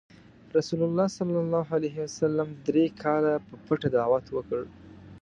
رسول الله ﷺ دری کاله په پټه دعوت وکړ.